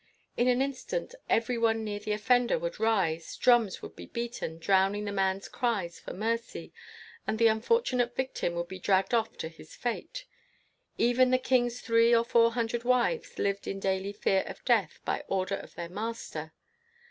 In an instant every one near the offender would rise, drums would be beaten, drowning the man's cries for mercy, and the unfortunate vic tim would be dragged off to his fate. Even the king's three or four hundred wives lived in daily fear of death by order of their master.